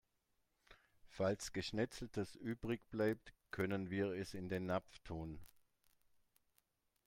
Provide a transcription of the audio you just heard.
Falls Geschnetzeltes übrig bleibt, können wir es in den Napf tun.